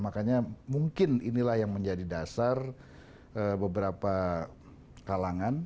makanya mungkin inilah yang menjadi dasar beberapa kalangan